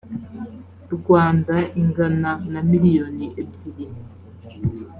rwanda ingana na miliyoni ebyiri